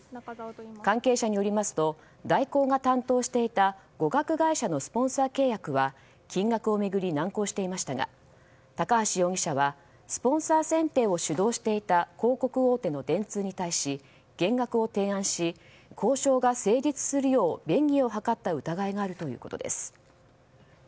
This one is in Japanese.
関係者によりますと大広が担当していた語学会社のスポンサー契約は金額を巡り難航していましたが高橋容疑者はスポンサー選定を主導していた広告大手の電通に対し減額を提案し交渉が成立するよう便宜を図った疑いがあるということです。